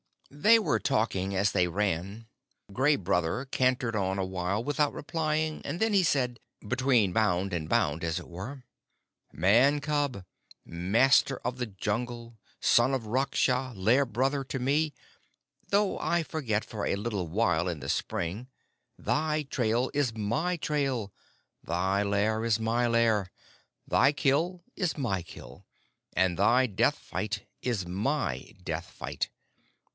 They were talking as they ran. Gray Brother cantered on a while without replying, and then he said, between bound and bound as it were, "Man cub Master of the Jungle Son of Raksha, Lair brother to me though I forget for a little while in the spring, thy trail is my trail, thy lair is my lair, thy kill is my kill, and thy death fight is my death fight.